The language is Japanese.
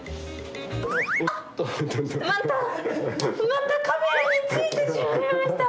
またカメラについてしまいました。